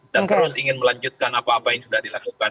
dan terus ingin melanjutkan apa apa yang sudah dilakukan